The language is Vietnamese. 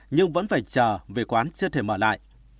nhưng vẫn phải chờ về quán chưa thể mở lại